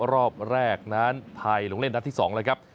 รอบแรกนั้นไทยลงเล่นนัดที่๒แล้วครับ